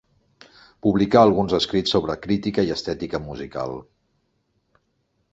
Publicà alguns escrits sobre crítica i estètica musical.